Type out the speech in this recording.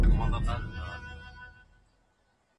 د سر پخه د غوړ او وچوالي سره وي.